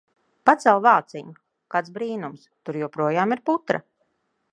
Pacel vāciņu! Kāds brīnums - tur joprojām ir putra!